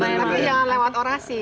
tapi jangan lewat orasi